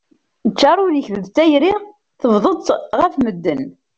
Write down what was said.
Ččar ul-ik d tayri tebḍuḍ-tt ɣef medden.